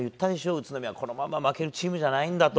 宇都宮はこのまま負けるチームじゃないと。